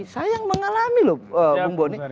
saya yang mengalami loh bung boni